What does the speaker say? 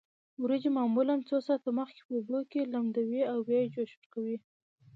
وریجې معمولا څو ساعته مخکې په اوبو کې لمدوي او بیا یې جوش ورکوي.